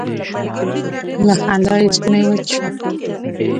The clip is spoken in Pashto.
له خندا یې ستونی وچ شو.